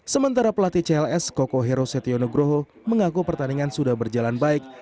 sementara pelatih cls koko herosetionogroho mengaku pertandingan sudah berjalan baik